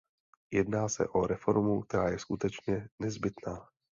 Jedná se o reformu, která je skutečně nezbytná.